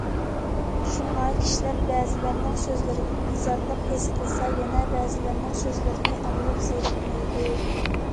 شۇڭا، كىشىلەر بەزىلەرنىڭ سۆزلىرىدىن بىزارلىق ھېس قىلسا، يەنە بەزىلەرنىڭ سۆزلىرىنى ئاڭلاپ زېرىكمەيدۇ.